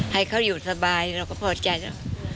ให้เขาอยู่สบายเราก็ปลอดภัยนะ